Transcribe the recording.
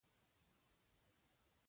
که ريښتيا ووايم